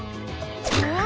うわ！